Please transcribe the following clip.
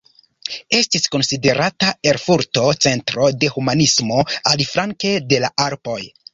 Estis konsiderata Erfurto centro de humanismo aliflanke de la Alpoj.